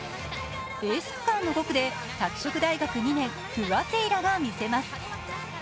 エース区間の５区で拓殖大学２年、不破聖衣来が見せます。